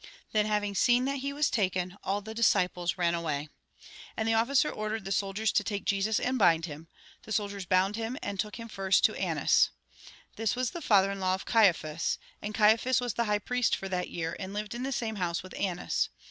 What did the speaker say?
Then, having seen that he was taken, all the disciples ran away. And the officer ordered the soldiers to take Jesus, and bind him. The soldiers bound him, and took liun first to Annas. This was the father in law of Caiaphas, and Caiaphas was the high priest for that year, and lived in the same house with Annas.